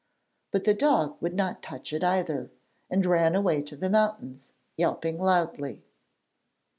But the dog would not touch it either, and ran away to the mountains, yelping loudly.